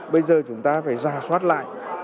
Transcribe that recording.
bây giờ chúng ta phải ra soát lại